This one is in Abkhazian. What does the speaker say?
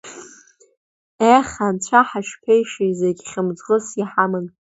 Ех, анцәа ҳашԥеишеи, зегь хьмыӡӷыс иҳаман!